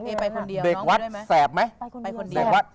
เอ๊ไปคนเดียวน้องไปได้ไหมไปคนเดียว